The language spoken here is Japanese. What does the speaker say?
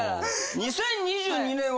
２０２２年は。